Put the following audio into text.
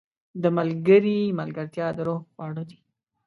• د ملګري ملګرتیا د روح خواړه دي.